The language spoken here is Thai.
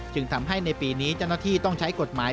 จึงทำให้ในปีนี้จันทธิต้องใช้กฎหมาย